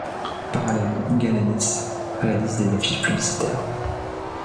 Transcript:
Parallèlement, Galanis réalise des affiches publicitaires.